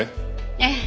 ええ。